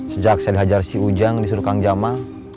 sejak saya dihajar si ujang disuruh kang jamal